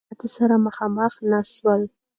دوی له ماتي سره مخامخ نه سول.